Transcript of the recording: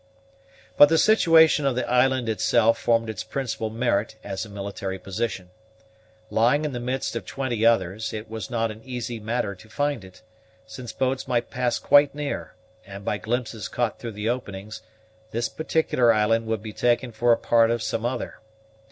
But the situation of the island itself formed its principal merit as a military position. Lying in the midst of twenty others, it was not an easy matter to find it; since boats might pass quite near, and, by glimpses caught through the openings, this particular island would be taken for a part of some other.